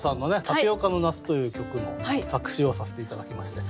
「タピオカの夏」という曲の作詞をさせて頂きまして。